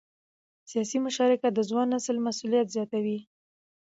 سیاسي مشارکت د ځوان نسل مسؤلیت زیاتوي